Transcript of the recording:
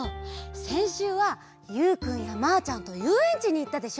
せんしゅうはゆうくんやまあちゃんとゆうえんちにいったでしょ。